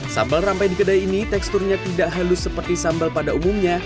sambal rampe di kedai ini teksturnya tidak halus seperti sambal pada umumnya